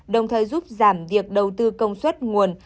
đồng thời giúp giảm việc đầu tư công suất nguồn